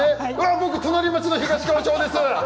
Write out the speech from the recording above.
僕は隣町の東川町です。